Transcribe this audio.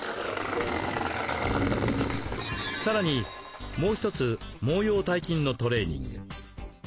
さらにもう一つ毛様体筋のトレーニング。